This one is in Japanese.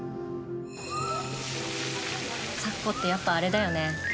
咲子ってやっぱあれだよね。